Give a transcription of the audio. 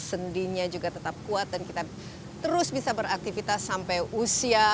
sendinya juga tetap kuat dan kita terus bisa beraktivitas sampai usia